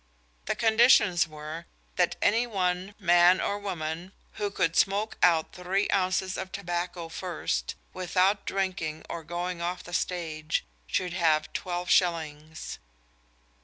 The conditions were that any one (man or woman) who could smoke out three ounces of tobacco first, without drinking or going off the stage, should have 12s.